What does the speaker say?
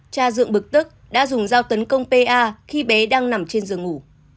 cha dựng bực tức đã dùng dao tấn công pa khi bé đang nằm trên giường ngủ